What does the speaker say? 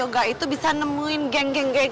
eh persona yang gagah